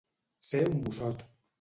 Ser un bossot.